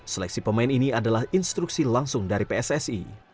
seleksi pemain ini adalah instruksi langsung dari pssi